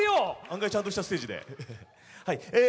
案外ちゃんとしたステージでえ